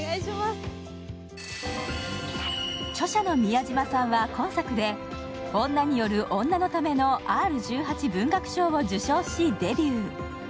著者の宮島さんは今作で、女による女のためのＲ−１８文学賞を受賞し、デビュー。